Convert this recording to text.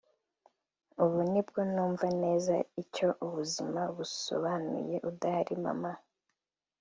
ubu nibwo numva neza icyo ubu buzima busobanuye udahari mama